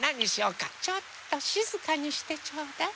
ちょっとしずかにしてちょうだい。